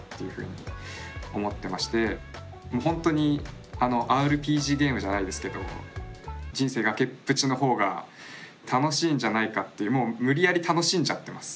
本当にＲＰＧゲームじゃないですけど人生崖っぷちのほうが楽しいんじゃないかってもう無理やり楽しんじゃってます。